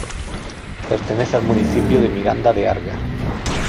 Pertenece al municipio de Miranda de Arga.